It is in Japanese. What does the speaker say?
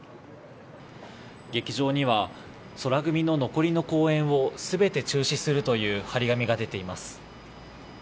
劇場には、宙組の残りの公演を全て中止するという貼り紙が出ています。